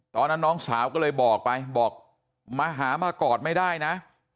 น้องสาวก็เลยบอกไปบอกมาหามากอดไม่ได้นะ